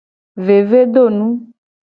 Vevedonu.